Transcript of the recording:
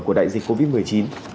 của đại dịch covid một mươi chín